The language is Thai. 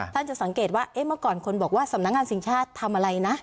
จะสังเกตว่าเมื่อก่อนคนบอกว่าสำนักงานสิ่งชาติทำอะไรนะ